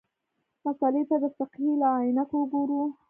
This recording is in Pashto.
مسألې ته د فقهې له عینکو وګورو.